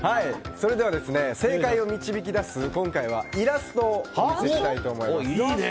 それでは正解を導き出す今回はイラストをお見せしたいと思います。